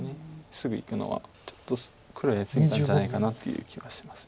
すぐいくのはちょっと黒はやり過ぎなんじゃないかなという気がします。